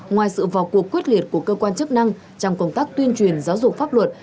ngoài sự vào cuộc quyết liệt của cơ quan chức năng trong công tác tuyên truyền giáo dục pháp luật